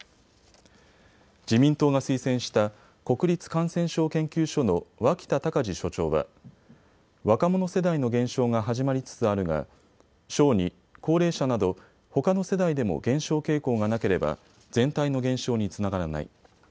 自民党が推薦した国立感染症研究所の脇田隆字所長は若者世代の減少が始まりつつあるが小児、高齢者などほかの世代でも減少傾向がなければ全体の減少につながらない。